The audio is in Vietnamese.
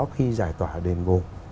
khi giải tỏa đền vùng